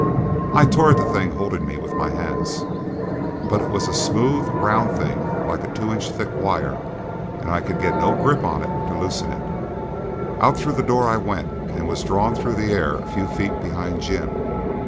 I tore at the thing holding me with my hands, but it was a smooth round thing like a two inch thick wire, and I could get no grip on it to loosen it. Out through the door I went and was drawn through the air a few feet behind Jim.